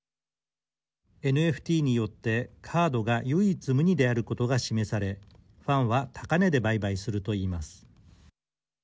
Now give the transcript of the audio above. ＮＦＴによってカードが唯一無二であることが示されファンは高値で売買するといいます。